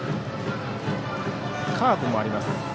カーブもあります。